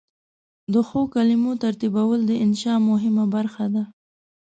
د ښو کلمو ترتیبول د انشأ مهمه برخه ده.